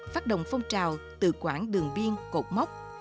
phát động phong trào tự quản đường biên cột mốc